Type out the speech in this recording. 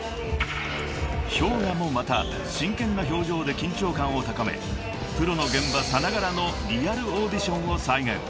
［ＨｙＯｇＡもまた真剣な表情で緊張感を高めプロの現場さながらのリアルオーディションを再現］